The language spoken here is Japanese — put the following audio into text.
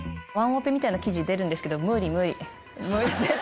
ワンオペみたいな記事出るんですけど、無理無理。